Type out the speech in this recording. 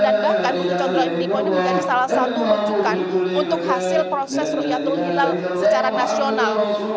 dan bahkan di bukit cotro di poenisah menjadi salah satu wujudan untuk hasil proses ruyatul hilal secara nasional